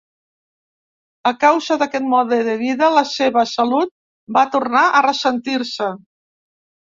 A causa d'aquest mode de vida, la seva salut va tornar a ressentir-se.